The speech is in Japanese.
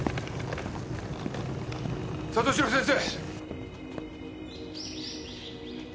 里城先生！